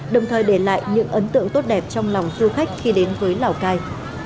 đồng thời để lại những ấn tượng tốt đẹp trong lòng du khách khi đến với lào cai